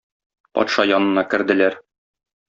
Патша янына керделәр.